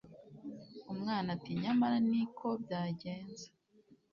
umwana ati nyamara ni ko byagenze